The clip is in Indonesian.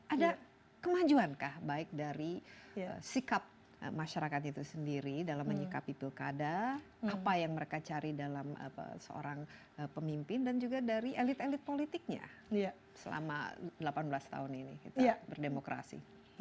ada kemajuankah baik dari sikap masyarakat itu sendiri dalam menyikapi pilkada apa yang mereka cari dalam seorang pemimpin dan juga dari elit elit politiknya selama delapan belas tahun ini kita berdemokrasi